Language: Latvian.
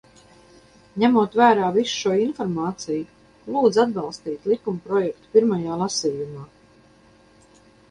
Ņemot vērā visu šo informāciju, lūdzu atbalstīt likumprojektu pirmajā lasījumā.